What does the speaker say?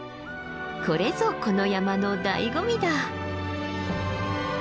これぞこの山のだいご味だ。